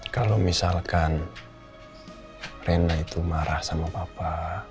kalau misalkan rena itu marah sama bapak